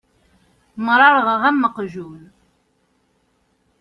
Merrɣeɣ am uqjun.